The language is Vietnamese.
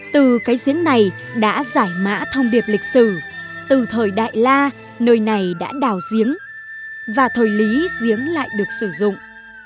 từ cái diếng này đã giải mã thông điệp lịch sử từ thời đại la nơi này đã đào diếng và thời lý diếng lại được sử dụng